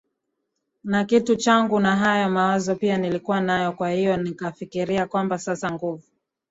na kitu changu Na hayo mawazo pia nilikuwa nayo Kwahiyo nikafikiria kwamba sasa nguvu